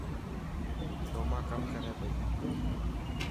روما ڪم ڪري پئي.